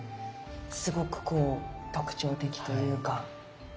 すごくこう特徴的というか。